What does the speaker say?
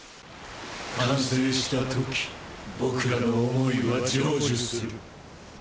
完成した時僕らの想いは成就する。